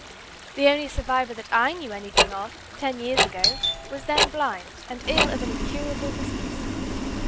The only survivor that I knew anything of ten years ago was then blind, and ill of an incurable disease.